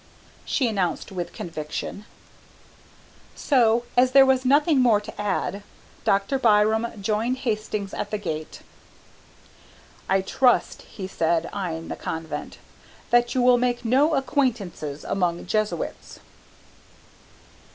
she announced with conviction. So, as there was nothing more to add, Dr. Byram joined Hastings at the gate. "I trust," he said, eyeing the Convent, "that you will make no acquaintances among Jesuits!"